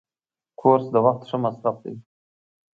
کورس د وخت ښه مصرف دی.